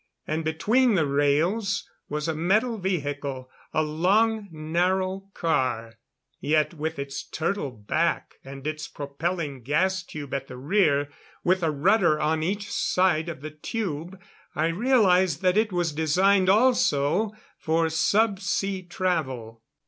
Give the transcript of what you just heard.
And between the rails was a metal vehicle. A long, narrow car; yet with its turtle back and its propelling gas tube at the rear, with a rudder on each side of the tube, I realized that it was designed also for sub sea travel.